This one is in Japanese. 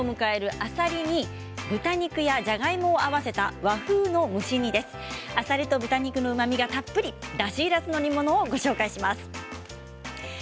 あさりと豚肉のうまみがたっぷりだしいらずの煮物をご紹介します。